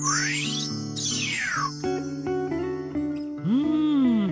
うん！